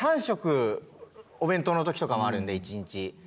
３食お弁当の時とかもあるんで一日。